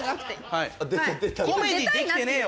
コメディーできてねえよ